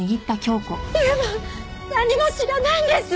優馬は何も知らないんです！